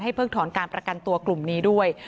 เพิ่งถอนการประกันตัวกลุ่มนี้ด้วย